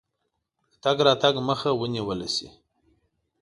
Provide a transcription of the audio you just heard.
د تګ راتګ مخه ونیوله شي.